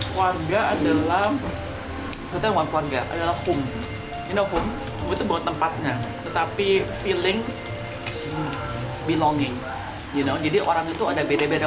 keluarga adalah satu yang gak keluarga adalah home you know home itu bukan tempatnya tetapi feeling belonging you know jadi orang itu ada beda beda